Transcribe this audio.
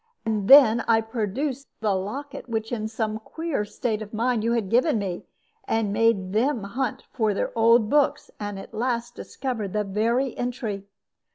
And then I produced the locket which in some queer state of mind you had given me, and made them hunt out their old books, and at last discovered the very entry.